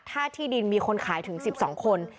ถ้าที่ดินมีคนขายถึง๑๒คน